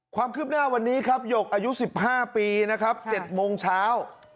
ความคืบหน้าวันนี้ครับหยกอายุ๑๕ปีนะครับ๗โมงเช้า